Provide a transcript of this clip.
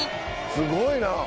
すごいなぁ！